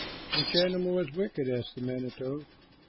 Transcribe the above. "Which animal is wicked?" asked the manito.